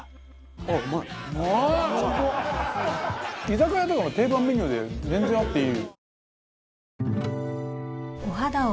居酒屋とかの定番メニューで全然あっていい。